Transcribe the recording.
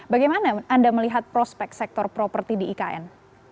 bagaimana anda melihat prospek sektor properti di ikn